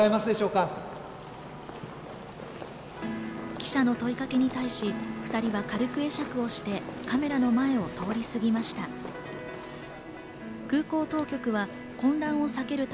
記者の問いかけに対し２人は軽く会釈をしてカメラの前を通り過ぎました。